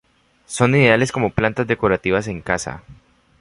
Son ideales como plantas decorativas en casa.